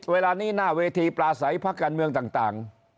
เวลานี้หน้าเวทีปลาใสพักการเมืองต่าง